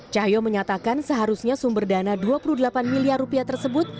cahyo menyatakan seharusnya sumber dana dua puluh delapan miliar rupiah tersebut